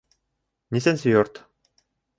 Нисәнсе йорт?